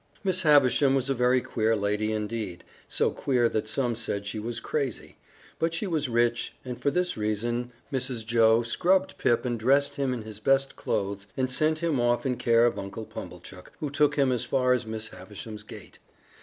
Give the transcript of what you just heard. Miss Havisham was a very queer lady, indeed; so queer that some said she was crazy. But she was rich, and for this reason Mrs. Joe scrubbed Pip and dressed him in his best clothes and sent him off in care of Uncle Pumblechook, who took him as far as Miss Havisham's gate.